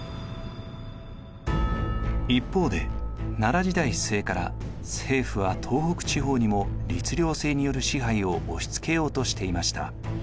一方で奈良時代末から政府は東北地方にも律令制による支配を押しつけようとしていました。